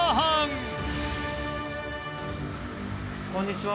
こんにちは。